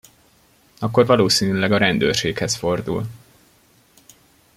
Akkor valószínűleg a rendőrséghez fordul.